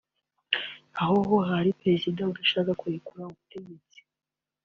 Aha ho hari Perezida udashaka kurekura ubutegetsi